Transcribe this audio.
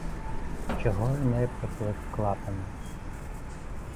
Чого Еней приплив к Латину